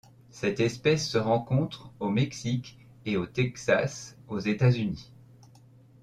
Cette espèce se rencontre au Mexique et au Texas aux États-Unis.